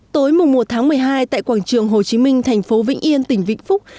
tối một tháng một mươi hai tại quảng trường hồ chí minh thành phố vĩnh yên tỉnh vĩnh phúc